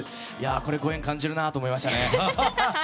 これ、ご縁感じるなと思いましたね。